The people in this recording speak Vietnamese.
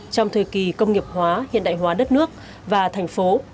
trong thời kỳ công nghiệp hóa hiện đại hóa đất nước và thành phố